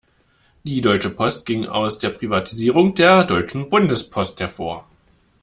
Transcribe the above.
Die Deutsche Post ging aus der Privatisierung der Deutschen Bundespost hervor.